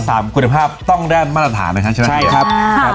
ข้อสามคุณภาพต้องได้มาตรฐานนะครับใช่ครับอ่า